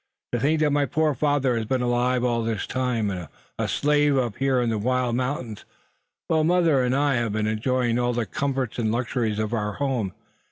"To think that my poor father has been alive all this time, and a slave up here in the wild mountains, while mother and I have been enjoying all the comforts and luxuries of our home.